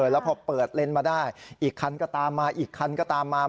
แล้วพอเปิดเลนส์มาได้อีกคันก็ตามมาอีกคันก็ตามมา